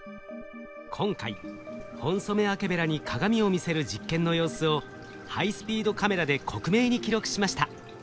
今回ホンソメワケベラに鏡を見せる実験の様子をハイスピードカメラで克明に記録しました。